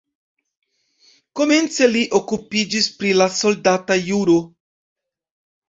Komence li okupiĝis pri la soldata juro.